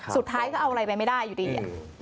สุดท้ายก็เอาอะไรไปไม่ได้อยู่ดี